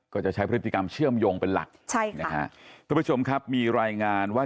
ก็จะใช้พฤติกรรมเชื่อมโยงเป็นหลักใช่ค่ะนะฮะทุกผู้ชมครับมีรายงานว่า